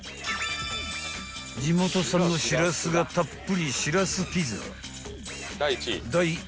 ［地元産のシラスがたっぷりしらすピザ］